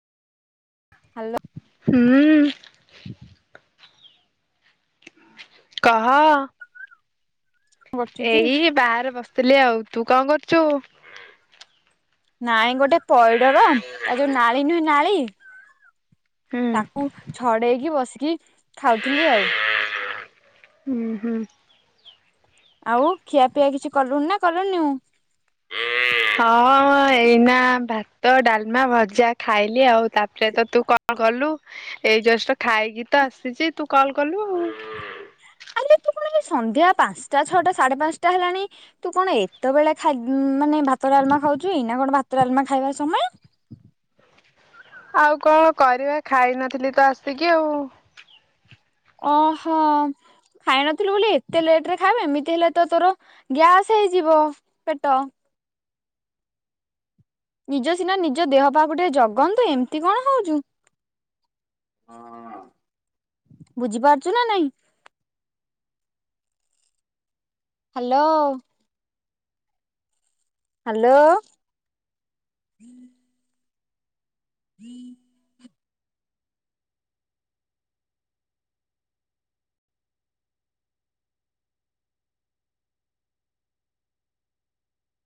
Hello. ହୁଁ। କହ। କଣ କରୁଛୁ କି? ଏଇ ବାହାରେ ବସିଥିଲି ଆଉ ତୁ କଁ କରୁଚୁ? ନାଇ ଗୋଟେ ପଇଡର ତା ଯୋଉ ନାଳୀ ନୁହେ ନାଳୀ ହୁଁ। ତାକୁ ଛଡେଇକି ବସିକି ଖାଉଥିଲି ଆଉ। ହୁଁ ହୁଁ। ଆଉ ଖିଆ ପିଆ କିଛି କଲୁନି ନା କରୁନୁ? ହଁ ଏଇନା ଭାତ ଡାଲମା ଭଜା ଖାଇଲି ଆଉ ତାପରେ ତ ତୁ କ କଲୁ, ଏଇ ଜଷ୍ଟ ଖାଇକି ତ ଆସିଛି ତୁ କଲ୍ କଲୁ ଆଉ। [inaudible] ନା ମୁଁ ସନ୍ଧ୍ୟା ପାଞ୍ଚଟା ଛଅଟା ସାଢେ ପାଞ୍ଚଟା ହେଲାଣି ତୁ କଣ ଏତେବେଳେ ଖାଇ ମାନେ ଭାତ ଡାଲମା ଖାଉଛୁ ଏଇ ନା କଣ ଭାତ ଡାଲମା ଖାଇବା ସମୟ? ଆଉ କଣ କରିବା ଖାଇନଥିଲି ତ ଆସିକି ଆଉ। ଓହୋ। ଖାଇ ନଥିଲୁ ବୋଲି ଏତେ ଲେଟ ରେ ଖାଇବ ଏମିତି ହେଲେ ତ ତୋର ଗ୍ୟାସ୍ ହେଇଯିବ ପେଟ। ନିଜ ସିନା ନିଜ ଦେହ ପାକୁ ଟିକେ ଜଗନ୍ତୁ ଏମିତି କଣ ହଉଚୁ। ବୁଝିପାରୁଛୁ ନା ନାଇଁ। ହ୍ୟାଲୋ। ହାଲୋ। [inaudible] [inaudible]